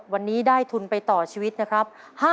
วันนี้ได้ทุนไปต่อชีวิตนะครับ